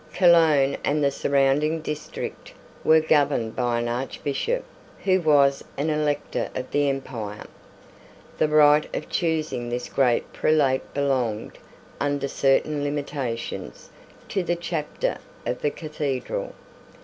Cologne and the surrounding district were governed by an Archbishop, who was an Elector of the Empire. The right of choosing this great prelate belonged, under certain limitations, to the Chapter of the Cathedral.